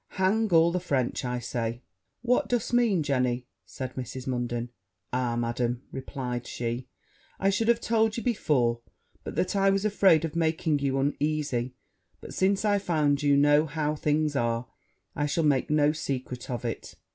Hang all the French, I say!' 'What do'st mean, Jenny?' said Mrs. Munden. 'Ah, Madam!' replied she, 'I should have told you before, but that I was afraid of making you uneasy: but, since I find you know how things are, I shall make no secret of it.